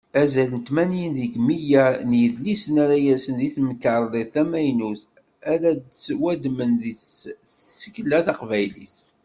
Azal n tmanyin deg meyya n yidlisen ara yersen di temkarḍit tamaynut, ad d-ttwaddmen seg tsekla taqbaylit.